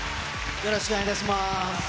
よろしくお願いします。